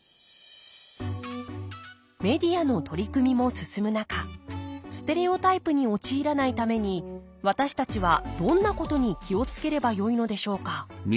メディアの取り組みも進む中ステレオタイプに陥らないために私たちはどんなことに気を付ければよいのでしょうか？